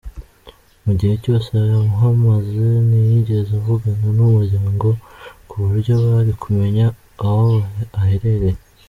Mu gihe cyose yahamaze ntiyigeze avugana n’umuryango kuburyo bari kumenya aho aherereye.